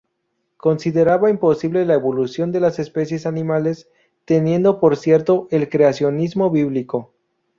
Consideraba imposible la evolución de las especies animales, teniendo por cierto el creacionismo bíblico.